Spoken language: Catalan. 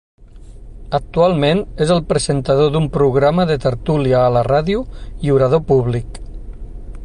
Actualment és el presentador d'un programa de tertúlia a la ràdio i orador públic.